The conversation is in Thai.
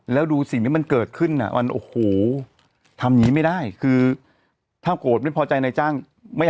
แล้วดูสิ่งที่มันเกิดขึ้นน่ะมันโอโห